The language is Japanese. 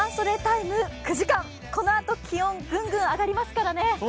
このあと気温、ぐんぐん上がりますからね。